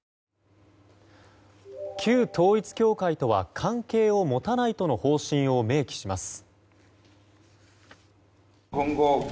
旧統一教会とは関係を持たないとの方針を明記します。